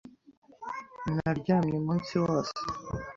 Naryamye umunsi wose.